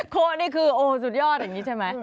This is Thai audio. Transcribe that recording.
โคนี่คือโอ้สุดยอดอย่างนี้ใช่ไหม